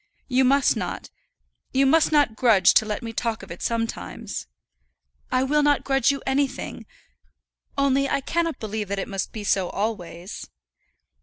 You must not, you must not grudge to let me talk of it sometimes." "I will not grudge you anything; only I cannot believe that it must be so always."